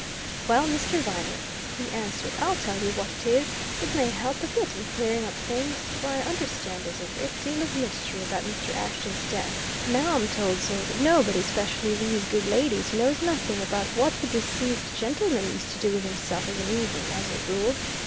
"Well, Mr. Viner," he answered, "I'll tell you what it is it may help a bit in clearing up things, for I understand there's a great deal of mystery about Mr. Ashton's death. Now, I'm told, sir, that nobody especially these good ladies knows nothing about what the deceased gentleman used to do with himself of an evening as a rule.